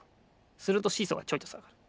するとシーソーがちょいとさがる。